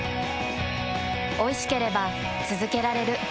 おいしければつづけられる。